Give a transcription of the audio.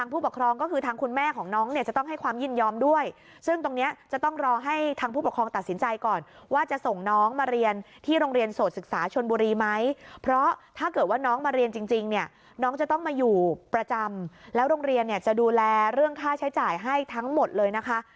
เพราะถ้าเกิดว่าน้องมาเรียนจริงจริงเนี้ยน้องจะต้องมาอยู่ประจำแล้วโรงเรียนเนี้ยจะดูแลเรื่องค่าใช้จ่ายให้ทั้งหมดเลยนะคะ